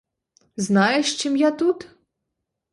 Знаєш чим я тут?